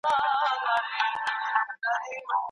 پوهه د انسان ژوند روښانه کوي.